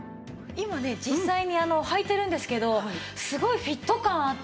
今ね実際にはいてるんですけどすごいフィット感あって。